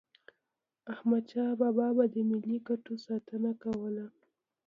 احمدشاه بابا به د ملي ګټو ساتنه کوله.